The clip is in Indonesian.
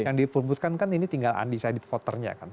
yang diperbutkan kan ini tinggal undecided voternya kan